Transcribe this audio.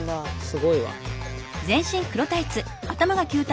すごいわ。